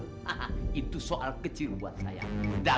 kyk itu tapi tanpaurer